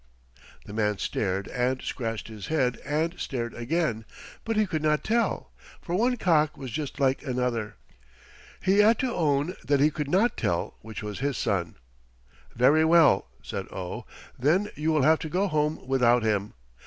The man stared and scratched his head and stared again, but he could not tell, for one cock was just like another. He had to own that he could not tell which was his son. "Very well," said Oh. "Then you will have to go home without him.